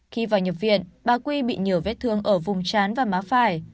khi vào nhập viện bà quy bị nhiều vết thương ở vùng chán và má phải